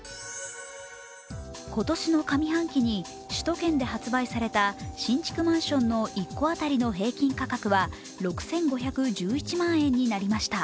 今年の上半期に首都圏で発売された新築マンションの１戸当たりの平均価格は６５１１万円になりました。